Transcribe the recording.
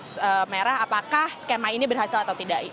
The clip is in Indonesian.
jadi kita harus mencari garis merah apakah skema ini berhasil atau tidak